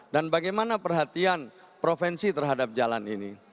dan bagaimana perhatian provinsi terhadap jalan ini